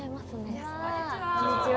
こんにちは！